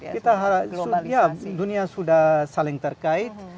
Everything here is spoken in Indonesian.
kita harap ya dunia sudah saling terkait